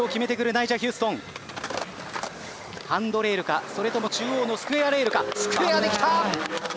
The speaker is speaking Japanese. ハンドレールかそれとも中央のスクエアレールかスクエアできた！